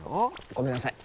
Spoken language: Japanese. ごめんなさい。